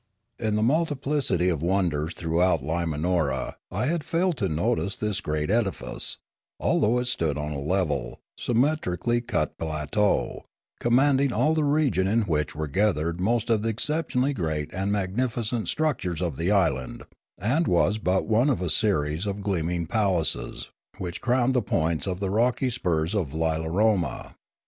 In the multiplicity of wonders throughout Limanora I had failed to notice this great edifice, although it stood on a level, symmetrically cut plateau, command ing all the region in which were gathered most of the exceptionally great and magnificent structures of the island, and was but one of a series of gleaming palaces which crowned the points of the rocky spurs of Lila roma.